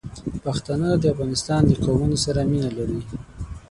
پښتانه د افغانستان د قومونو سره مینه لري.